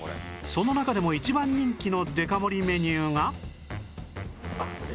その中でも一番人気のデカ盛りメニューが